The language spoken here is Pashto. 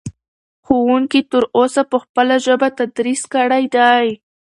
ښوونکي تر اوسه په خپله ژبه تدریس کړی دی.